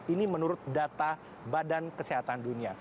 ini menurut data badan kesehatan dunia